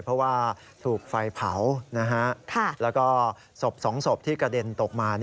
เพราะว่าถูกไฟเผาแล้วก็ศพ๒ศพที่กระเด็นตกมา